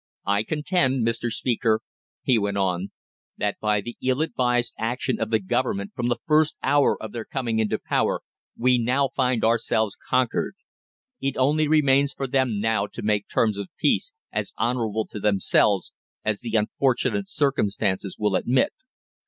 I contend, Mr. Speaker," he went on, "that by the ill advised action of the Government from the first hour of their coming into power, we now find ourselves conquered. It only remains for them now to make terms of peace as honourable to themselves as the unfortunate circumstances will admit.